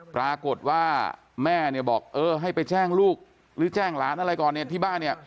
ปรากฏว่าแม่เนี่ยบอกเออให้ไปแจ้งลูกหรือแจ้งหลานอะไรก่อนเนี่ยที่บ้านเนี่ย